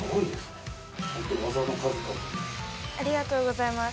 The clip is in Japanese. ありがとうございます